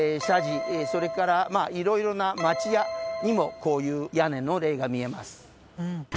それから色々な町家にもこういう屋根の例が見えます。